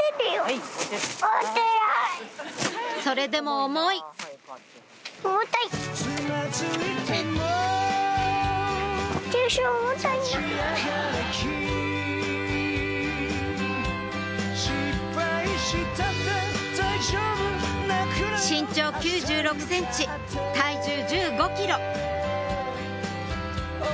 それでも重い身長９６ｃｍ体重１５ｋｇ